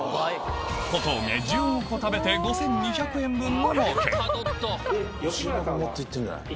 小峠１５個食べて５２００円分のもうけお！